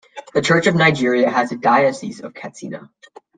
The Church of Nigeria has a Diocese of Katsina.